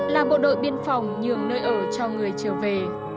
là bộ đội biên phòng nhường nơi ở cho người trở về